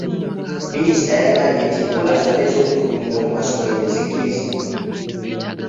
Minisita yagambye nti enkola zonna ez'okutulugunya mu masomero tezikkirizibwa.